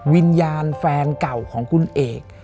วิญญาณแฟนเก่าของคุณเอก